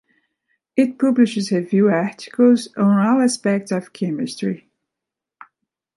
It publishes review articles on all aspects of chemistry.